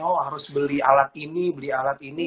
oh harus beli alat ini beli alat ini